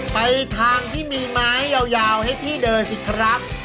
ไปทางที่มีไม้ยาวให้พี่เดินสิครับ